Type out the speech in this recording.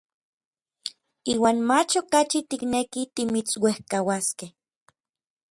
Iuan mach okachi tiknekij timitsuejkauaskej.